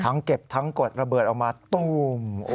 เก็บทั้งกดระเบิดออกมาตู้ม